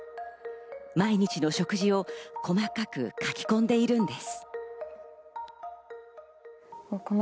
毎日の食事を細かく書き込んでいるんです。